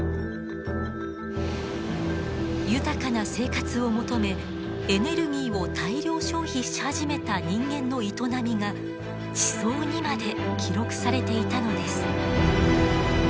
豊かな生活を求めエネルギーを大量消費し始めた人間の営みが地層にまで記録されていたのです。